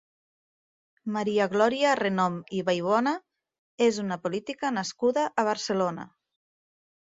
Maria Glòria Renom i Vallbona és una política nascuda a Barcelona.